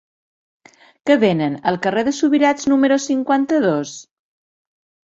Què venen al carrer de Subirats número cinquanta-dos?